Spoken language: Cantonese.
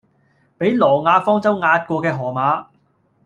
俾挪亞方舟壓過嘅河馬